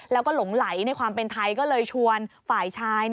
แล้วก็หลงไหลในความเป็นไทยก็เลยชวนฝ่ายชาย